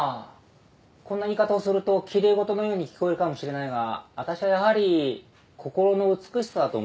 こんな言い方をすると奇麗事のように聞こえるかもしれないが私はやはり心の美しさだと思うよ。